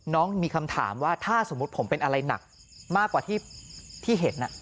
น้องมีคำถามว่าถ้าสมมุติผมเป็นอะไรหนักมากกว่าที่เห็น